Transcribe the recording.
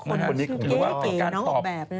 เก่งน้องออกแบบนั้น